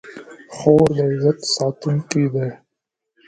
خور د عزت ساتونکې ده.